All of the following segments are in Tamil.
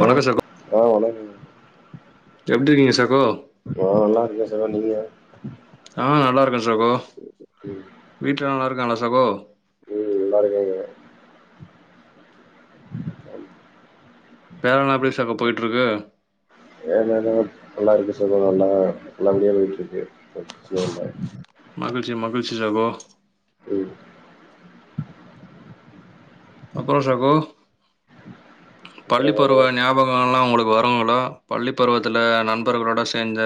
ஹலோ சகோ ஆ வணக்கங்க எப்டி இருக்கீங்க சகோ நா நல்லாருக்க சகோ நீங்க ஆ நல்லா இருக்கே சகோ ம் வீட்ல நல்லாருக்காங்ளா சகோ ம் நல்லா இருக்கேங்க தேவனா பேஸ் என்னடா நல்லாருக்க சகோ நல்லா நல்லபடியா போய்ட்ருக்கு பிரச்சன மகி்ச்சி மகிழ்ச்சி சகோ ம் அப்பறோ சகோ பள்ளி அப்பறோ சகோ பருவ ஞாபகோ எல்லா உங்களுக் வருங்களா பள்ளி பருவத்துல நண்பர்களோட செஞ்ச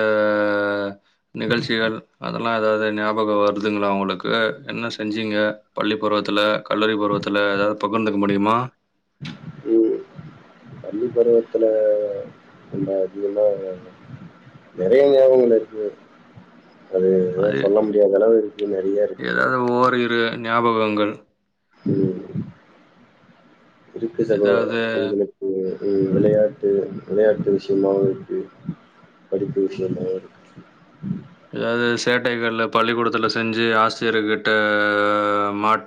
நிகழ்ச்சிகள் அதெல்லா ஏதாவது ஞாபகோ வருதுங்ளா அவுங்களுக் இல்ல என்ன செஞ்சீங்க பள்ளி பருவத்துல கல்லூரி பருவத்துல ஏதாவது பகுர்ந்துக்க முடியுமா ம் பள்ளி பருவத்துல கொஞ்சோ அதிகமா வெளையாண்டோ நெறைய ஞாபகங்கள் இருக்கு அது தா அது சொல்ல முடியாத அளவு இருக்கு நெறையருக் ஏதாவது ஓரிரு ஞாபகங்கள் ம் இருக்கு சகோ ஏதாவது உங்களுக்கு ம் விளையாட்டு விளையாட்டு விஷயமாவுருக்கு படிப்பு விஷயத்துல எதாவது சேட்டைகள்ல பள்ளிக்கூடத்துல செஞ்சி ஆசிரியர் கிட்ட மாட்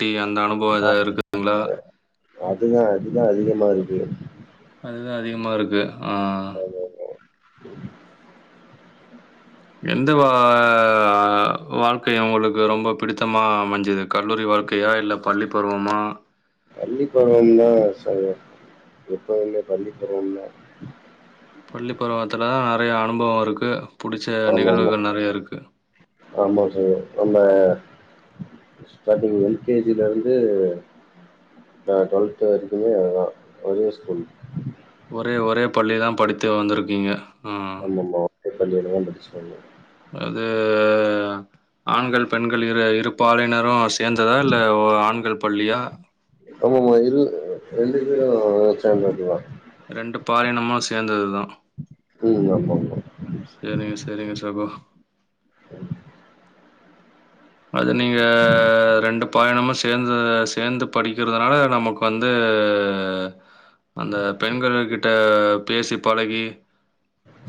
அத் அதுதா அதுதா அதிகமாருக்கு அதுதா அதிகமாருக்கு அ [inaudible] எந்த வா வாழ்க்கை உங்களுக்கு ரொம்ப பிடித்தமா அமஞ்சது கல்லூரி வா வாழ்க்கையா இல்ல பள்ளி பருவமா பள்ளி பருவந்தா சகோ எப்பவுமே பள்ளி பருவந்தா பள்ளி பருவத்துல தா நெறைய அனுபவோ இருக் கு புடிச்ச ஆமா ஆமா நிகழ்வுகள் நெறையருக்கு ஆமா சார் நம்ம ஸ்டார்டிங் எல்கேஜிலருந்து நா டுவெல்த்து வெரிக்குமே ஒரே ஸ்கூல் ஒரே ஒரே பள்ளி தா படித்து வந்திருக்கீங்க ம். ஆமாமா பள்ளியள தா படிச்ச ப்ரோ அது ஆண்கள் பெண்கள் இரு இரு பாலையினரு சேர்ந்ததா இல்ல ஆண்கள் பள்ளியா ஆமமா இரு ரெண்டு பேரு சேந்ததுதா ரெண்டு பாலினம சேந்ததுதா ம் ஆமா செரிங்க செரிங்க சகோ அது நீங்க ரெண்டு பாலிணமோ சேந்து சேந்து படிக்கிறதுனால நமக்கு வந்து அந்த பெண்கள் கிட்ட பேசி பழகி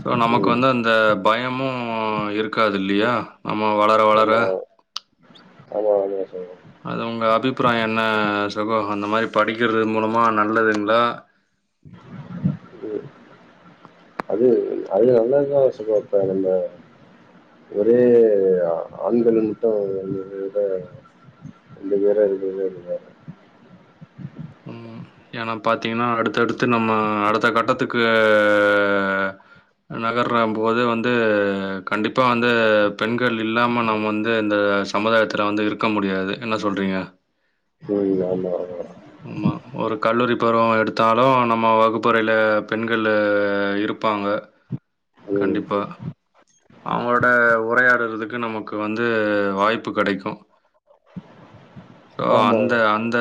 சோ நமக்கு ம் வந்து அந்த பயமும் இருக்காது இல்லியா ஆமா வளர வளர ஆமா ஆமா சகோ அது உங்க அபிப்பிராயோ என்ன சகோ அந்த மாதிரி படிக்கிறது மூலமா நல்லதுங்ளா ம் அது அது நல்லதுதான சகோ இப்போ நம்ப ஒரே ஆண்கள் மட்டு [unintelligible] விட ரெண்டு பேரே ரெண்டு பேர் இதுவாருக்கு ம். ஏன்னா பாத்தீங்கன்னா அடுத்தடுத்து நம்ம அடுத்த கட்டத்துக்கே நகர்ற போது வந்து கண்டிப்பா வந்து பெண்கள் இல்லாம நம்ம வந்து இந்த சமுதாயத்தில வந்து இருக்க முடியாது என்ன சொல்றீங்க ம் ஆமா ஆமா ம் மா ஒரு கல்லூரி பருவோ எடுத்தாலு நம்ம வகுப்பறைல பெண்கள்ளே இருப்பாங்க ஆமா ம் கண்டிப்பா அவங்களோட உரையாடுறதுக் கு நமக்கு வந்து வாய்ப்பு கெடைக்கு ஒ ஆமா அந்த அந்த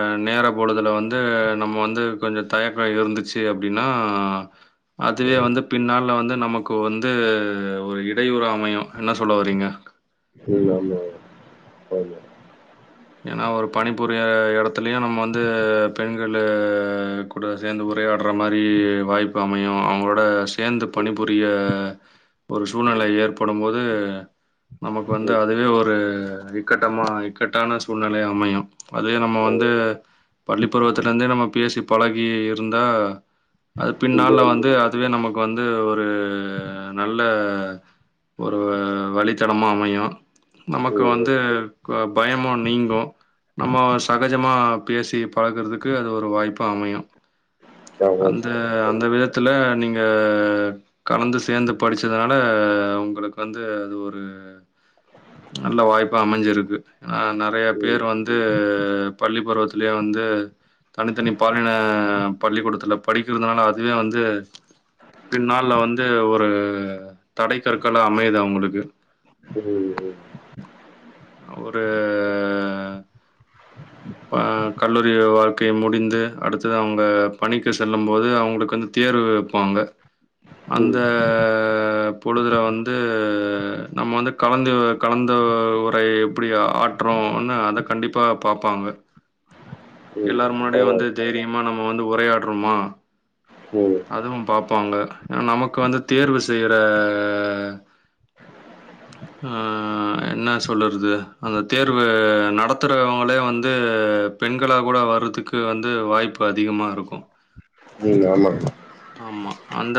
அ நேர பொழுதுல வந்து நம்ம வந்து கொஞ்சோ தயக்கோ இருந்துச்சி அப்டின்னா அதுவே ம் வந்து பின்னால்ல வந்து நமக் க் வந்து ஒரு இடையூற அமையு என்ன சொல்ல வரீங்க [unintelligible] ஆமா ஏன்னா ஒரு பணிபுரிய எடத்துலயு நம்ம வந்து பெண்களு கூட சேந்து உரையாட் ற மாரி வாய்ப்பு அமையு அவங்களோட சேந்து பணிபுரிய ஒரு சூழ்நிலை ஏற்படும்போது நமக்கு வந்து ம் அதுவே ஒரு இக்கட்டமா இக்கட்டான சூழ் நிலை அமையு அதே நம்ம ஆமா வந்து பள்ளிப்பருவத்துலந்தே நம்ம பேசி பழகி இருந்தா அது பின்னால்ல வந்து அதுவே நமக்கு வந்து ஒரு நல்ல ஒரு வழித்தடமா அமையு நமக்கு ம் வந்து க பயமு நீங்கு நம்ம சகஜமா பேசி பழக்குறதுக்கு அது ஒரு வாய்ப்பு அமையு ஆமா அந்த சார் அந்த விதத்துல நீங்க கலந்து சேந்து படிச்சதுனால உங்களுக்கு வந்து அது ஒரு நல்ல வாய்ப்பா அமைஞ்சுருக்கு ஆ நல் ம் பேர் வந்து பள்ளி பருவத்துலயே வந்து தனித்தனி பாலின பள்ளிக்கூடத்துல படிக்கிறதுனால அதுவே வந்து பின் நாள்ல வந்து ஒரு தடை கற்களா அமையுது அவுங்களுக்கு ம் ம் ஒரு அ கல்லூரி வாழ்க்கையை முடிந்து அடுத்தது அவுங்க பணிக்கு செல்லும் போது அவுங்களுக்கு வந்து தேர்வு வப்பாங்க அந்த ம், பொழுதுல வந்து நம்ம வந்து கலந்த கலந்த உரை எப்டி ஆற்றுறோனு அத கண்டிப்பா பாப்பாங்க ம். எல்லார் முன்னாடியு ஆமா. வந்து தைரியமா நம்ம வந்து உரையாடுறோம்மா ம், அதுவு பாப்பாங்க எனா நமக்கு வந்து தேர்வு செய்யுற ஆ என்ன சொ சொல்லுறது அந்த தேர்வு நடத்துறவங்களே வந்து பெண்க களா கூட வர்றதுக்கு வந்து வாய்ப்பு அதிகமா இருக்கூ நீங்க ஆமாங்கம்மா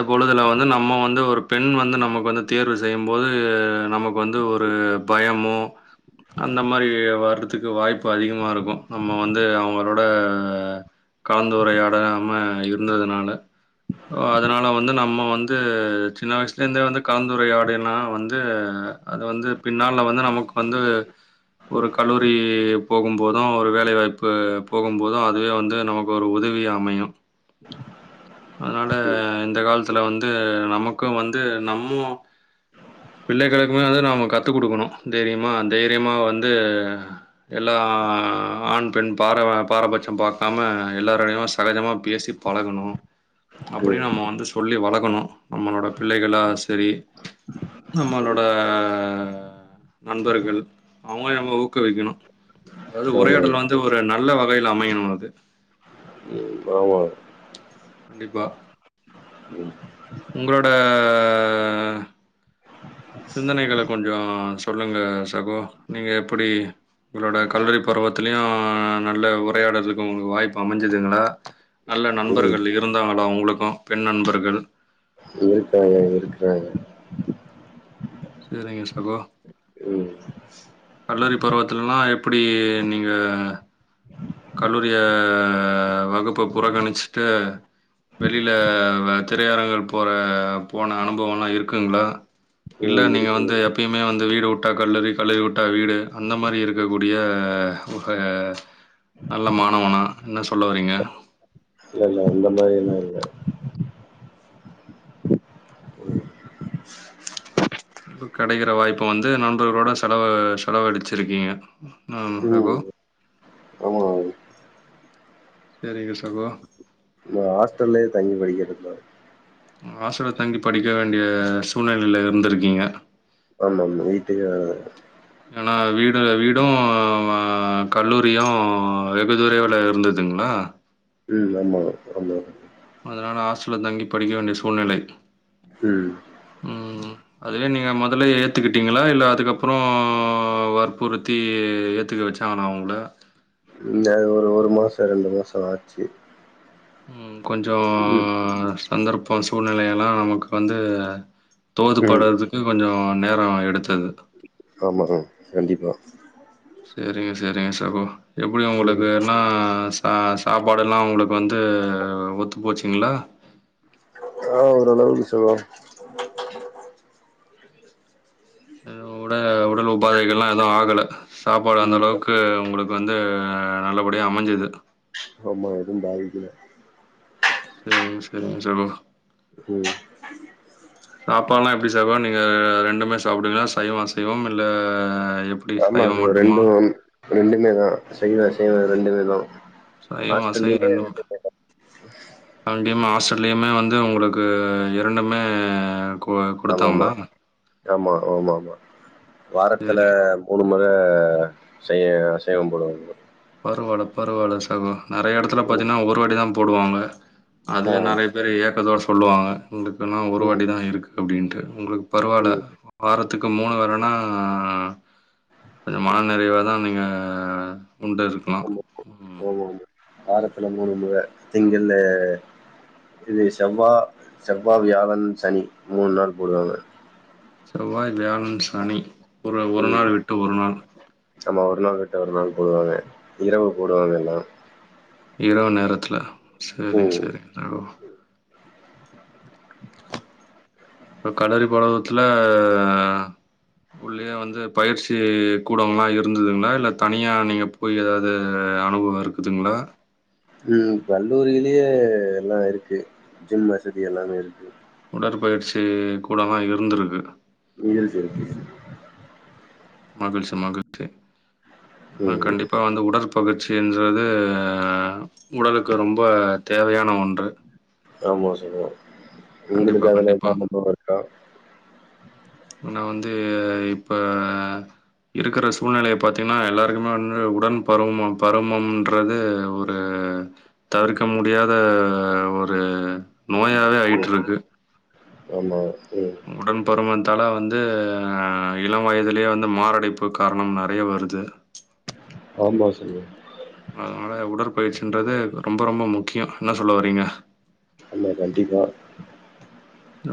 பொழுதுல் வந்து நம்ம வந்து ஒரு பெண் வந்து நமக்கு வந்து தேர்வு செய்யும்போது நமக்கு வந்து ஒரு பயமு அந்த மாரி வர்றதுக்கு வாய்ப்பு அதிகமா இருக்கூ நம்ம வந்து அவுங்களோட கலந்துரையாடாம இருந்ததுனால அதுனால வந்து நம்ம வந்து சின்ன வயசுல இருந்தே வந்து கலந்துரையாடினா வந்து அது வந்து பின்னால்ல வந்து நமக்கு வந்து ஒரு கல்லூரி போகும் போதும் ஒரு வேலை வாய்ப்பு போகும் போதும் அதுவே வந்து நமக்கு ஒரு உதவி தகுதியா அமையு அதுனால ம், இந்த காலத்துல வந்து நமக்கு வந்து நம்மு பிள்ளைகளுக்குமே வந்து நாம கத்து குடுக்கணு தைரியமா தைரியமா வந்து எல்லா ஆண் பெண் பார பாரபட்சம் பாக்காம எல்லாரருடையமு சகஜமா பேசிப் பழகணு அப்டி ம், நம்ம வந்து சொல்லி வளக் கணு நம்மளோட பிள்ளைகளா சரி ம். நம்மளோட நண்பர்கள் அவுங்க நம்ம ஊக்குவிக்கணு அதாவது ஆமா. உரையாடல் வந்து ஒரு நல்ல வகையில அமையணு அது ஆமாங் கண்டிப்பா ம், உங்களோட சிந்தனைகள கொஞ்சோ சொல்லுங்க சகோ நீங்க எப்புடி உங்களோட கல்லூரி பருவத்துலயு நல்ல உரையாடறதுக்கு உங்களுக்கு வாய்ப்பு அமஞ்சுதுங்களா நல்ல ம். நண்பர்கள் இருந்தாங்களா உங்களுக்கும் பெண் நண்பர்கள் இருக்றாங்க இருக்றாங்க செரிங்க சகோ ம், கல்லூரி பருவத்துலல்லா எப்புடி நீங்க கல்லூரிய வகுப்ப புறக்கணுச்சுட்டு வெளில வ திரையரங்கள் போற போன அனுபவோ எல்லா இருக்குங்ளா இல்ல ம். நீங்க இருக்கு. வந்து எப்பயுமே வந்து வீடு வுட்டா கல்லூரி கல்லூரி வுட்டா வீடு அந்த மாரி இருக்கக்கூடிய க உக ஒரு நல்ல மாணவனா என்ன சொல்லவறீங்க இல்ல, இல்ல. அந்த மாரி எல்லா இல்ல கெடைக்குற வாய்ப்ப வந்து நண்பர்களோட செலவு செலவழுச்சுருக்கீங்க ஆ ம். சகோ ஆமா. செரிங்க சகோ நா ஹாஸ்டல்லயே தங்கி படிக்கிற ப்ரோ ஆஸ்டல தங்கி படிக்க வேண்டிய சூழ்நிலையில இருந்துருக்கீங்க நம்ம வீட்டுகாக ஏன்னா வீடு வீடூ அ ஆ கல்லூரியு வெகு துலைவுல இருந்துதுங்ளா ம் ஆமா ஆமா அதனால ஹாஸ்டல தங்கி படிக்க வேண்டிய சூழ்நிலை ம் ம். அதுவே நீங்க மொதல்ல ஏத்துக்கிட்டீங்களா இல்ல அதுக்கப்புற வற்புறுத்தி ஏத்துக்க வச்சாங்களா ஒங்கள இந்த ஒரு ஒரு மாச ரெண்டு மாச ஆச்சி ம் கொஞ்சோ சந்தர்ப்ப சூழ்நிலையெ ல்லா நமக்கு வந்து தோது படுறதுக்கு கொஞ்சோ நேர எடுத்து ஆமாங கண்டிப்பா செரிங்க செரிங்க சகோ எப்டி உங்களுக்கு ம். வேனா அ சாப்பாடு எல்லா உங்களுக்கு வந்து ஒத்து போச்சுங்ளா ஆ ஒரளவுக்கு சொல்லலாம் எது உட உடல் உபாதைகள்ல்லா எதும் ஆகல சாப்பாடு அந்த ம். அளவுக்கு உங்களுக் வந்து நல்லபடியா அமைஞ்சிது ஆமா எதும் பாதிக்கல செரிங்க செரிங்க சகோ ம். சாப்பாட்லா எப்டி சகோ நீங்க அ ரெண்டுமே சாப்டுவிங்ளா சைவம் அசைவம் இல்ல எப்டி ஆமா சைவம் சகோ மட்டுமா ரெண்டு ரெண்டுமே தா சைவோ அசைவோ ரெண்டுமே தா சைவோ அசைவோ ரெண்டு முற [unintelligible] லயுமே வந்து உங்களுக்கு இரண்டுமே கொ ஆமாமா. கொடுத்தாங்களா ஆமா ஆமாமா வாரத்துல சரிங்க. மூணு முற செய் சைவம் போடுவாங்க ப்ரோ. பரவால்ல பரவால்ல சகோ நறைய எடத்துல ம். பாத்தீங்ன்னா ஒரு வாட்டிதா போடுவாங்க ஆ. அதுலய நறைய பேரு ஏக்கதோட சொல்லுவாங்க உங்களுக்குனா ஒரு ம், வாட்டிதான் இருக்கு அப்டின்ட்டு உங்களுக்கு பரவால்ல ம். வாரத் த்துக்கு மூணு வாரன்னா கொஞ்ச மன நிறைவா தா நீங்க உண்டு இருக்னு ஆமா, ம் ஆமாமா. வாரத்துல மூணு முற திங்களு இது செவ்வா செவ்வா வியாழன் சனி மூண் நாள் போடுவாங்க செவ்வாய் வியாழன் சனி ஒரு ஒரு ம். நாள் விட்டு ஒரு நாள் ஆமா, ஒரு நாள் விட்டு ஒரு நாள் போடுவாங்க இரவு போடுவாங்க எல்லாம் இரவு நேரத்துல செரிங்க ம். செரிங்க ப்ரோ அ கலரி பழவத்துல உள்ளயே வந்து பயிற்சி கூடோல்லா இருந்துதுங்ளா இல்ல தனியா நீங்க போய் ஏதாவ்து அ அனுபவம் இருக்குதுங்களா ம் கல்லூரியிலேயே எல்லா இருக்கு ஜிம் வசதி எல்லாமே இருக்கு உடற்பயிற்சி கூடோலா இருந்திருக்கு நீல்ஸ் இருக்கு மகிழ்ச்சி மகிழ்ச்சி ஆனா ம். கண்டிப்பா வந்து உடற் பயிற்சி என்றதூ உடலுக்கு ரொம்ப தேவையான ஒன்று ஆமா சொல்லலா கண்டிப்பா, உங்களுக்கு அதுல கண்டிப்பா. [unintelligible] இருக்கா து இப்ப இருக்கிற சூழ்நிலைய பாத்தீங்ன்னா எல்லாருக்குமே வந்து உடன் பருவ பருமம்ன்றது ஒரு எ தவிர்க்க முடியாத ஒரு நோயாவே ஆயிட்டு இருக்கு ஆமா ம். உடல் பருமன் இதால வந்து இளம் வயதிலயே வந்து மாரடைப்பு காரணம் நெறயா வருது ஆமா [unintelligible] அதனால உடற்பயிற்சின்றது ரொம்ப ரொம்ப முக்கியோ என்ன சொல்ல வரீங்க ஆமா கண்டிப்பா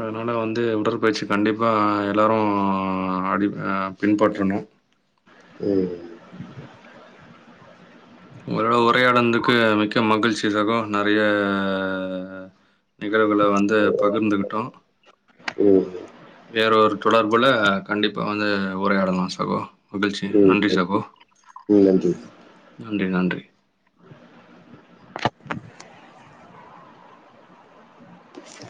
அதனால வந்து உடற்பயிற்சி கண்டிப்பா எல்லாரு ஆடி அ பின்பற்றணு ம் உங்களோட உரையாடுனதுக்கு மிக்க மகிழ்ச்சி சகோ நெறய நிகழ்வுகள வந்து பகிர்ந்துகிட்டோ ம். வேற ஒரு தொடர்புல கண்டிப்பா வந்து உரையாடலா சகோ மகிழ்ச்சி ம். நன்றி சகோ ம். நன்றி. நன்றி நன்றி